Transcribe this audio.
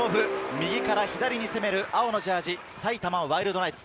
右から左に攻める青のジャージー、埼玉ワイルドナイツ。